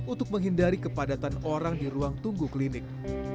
untuk menghindari kepadatan orang di ruang tunggu klinik